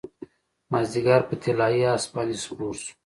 مازدیګر په طلايي اس باندې سپور شو